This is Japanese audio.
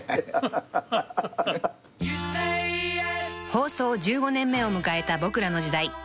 ［放送１５年目を迎えた『ボクらの時代』］